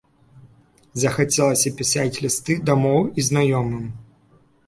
Захацелася пісаць лісты дамоў і знаёмым.